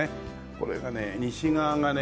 これがねえ西側がねえ